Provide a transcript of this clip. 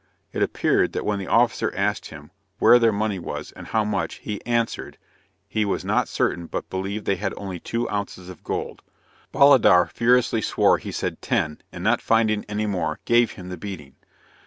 It appeared, that when the officer asked him "where their money was, and how much," he answered, "he was not certain but believed they had only two ounces of gold" Bolidar furiously swore he said "ten," and not finding any more, gave him the beating.